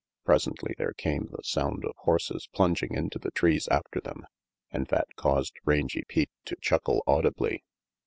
Presently there came the sound of horses plunging into the trees after them, and that caused Rangy Pete to chuckle audibly.